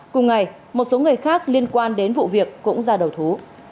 cùng ngày một số người khác liên quan đến vụ việc cũng ra đầu thú